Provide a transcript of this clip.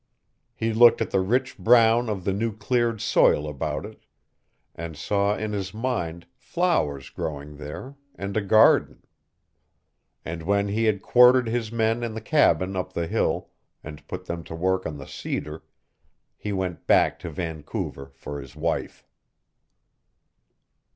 He looked at the rich brown of the new cleared soil about it, and saw in his mind flowers growing there, and a garden. And when he had quartered his men in the cabin up the hill and put them to work on the cedar, he went back to Vancouver for his wife.